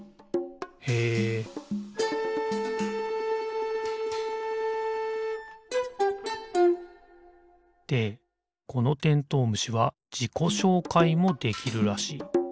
へえでこのてんとう虫はじこしょうかいもできるらしい。